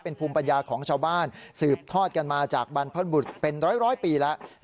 เป็นภูมิปัญญาของชาวบ้านสืบทอดกันมาจากบรรพบุตรเป็นร้อยปีแล้ว